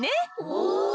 おお！